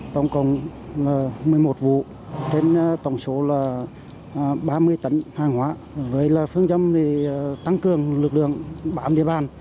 tổng cộng một mươi một vụ trên tổng số là ba mươi tấn hàng hóa với phương châm tăng cường lực lượng bám địa bàn